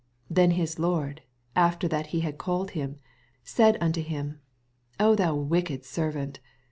82 Then his lord, after that he had called him, said unto him, O thou wicked servant.